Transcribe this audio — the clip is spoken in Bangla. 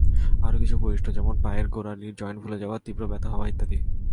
আরও কিছু বৈশিষ্ট্য যেমন—পায়ের গোড়ালির জয়েন্ট ফুলে যাওয়া, তীব্র ব্যথা হওয়া ইত্যাদি।